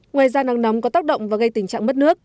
ngoài ra nắng nóng có tác động và gây tình trạng mất nước